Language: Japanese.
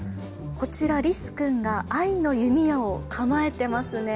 こちらリスくんが愛の弓矢を構えてますね。